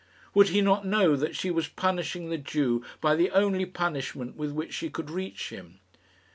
Would he not know that she was punishing the Jew by the only punishment with which she could reach him?